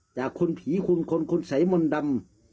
จากคุณผีคุณคนคุณสัยมนต์ดำ